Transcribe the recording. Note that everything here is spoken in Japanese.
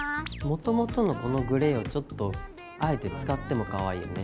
もともとのこのグレーはちょっとあえて使ってもかわいいよね。